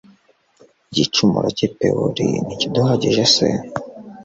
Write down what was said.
igicumuro cy'i pewori ntikiduhagije se